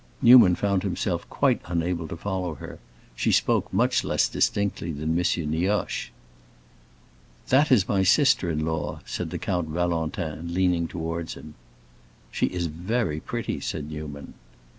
Newman found himself quite unable to follow her; she spoke much less distinctly than M. Nioche. "That is my sister in law," said the Count Valentin, leaning towards him. "She is very pretty," said Newman.